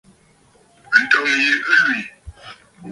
Ǹtɔ̀ŋgə̂ yi ɨ lwì.